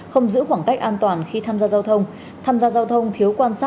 không giữ khoảng cách an toàn khi tham gia giao thông